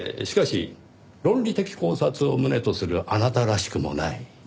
しかし論理的考察を旨とするあなたらしくもない。